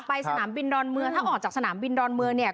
สนามบินดอนเมืองถ้าออกจากสนามบินดอนเมืองเนี่ย